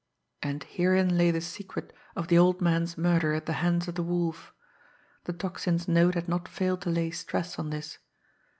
And herein lay the secret of the old man's murder at the hands of the Wolf. The Tocsin's note had not failed to lay stress on this.